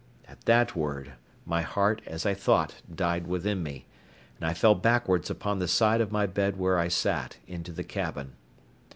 At that word, my heart, as I thought, died within me: and I fell backwards upon the side of my bed where I sat, into the cabin.